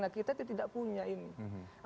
nah kita itu tidak punya ini